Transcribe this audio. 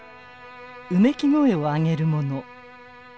うめき声を上げる者。